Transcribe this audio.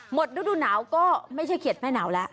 หมดฤดูหนาวก็ไม่ใช่เขียดแม่หนาวแล้ว